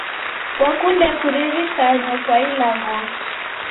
Kwakunde kuririkanyo kwa ilaghoki?